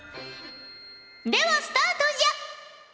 ではスタートじゃ！